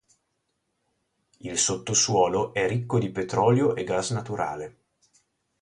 Il sottosuolo è ricco di petrolio e gas naturale.